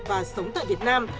và sống tại việt nam